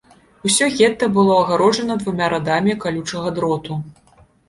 Усё гета было агароджана двумя радамі калючага дроту.